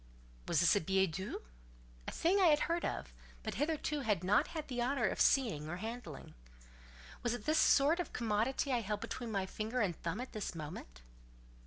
Was this a billet doux? A thing I had heard of, but hitherto had not had the honour of seeing or handling. Was it this sort of commodity I held between my finger and thumb at this moment?